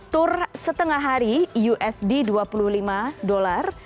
tour setengah hari usd dua puluh lima dolar